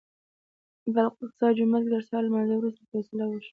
په الاقصی جومات کې تر سهار لمانځه وروسته فیصله وشوه.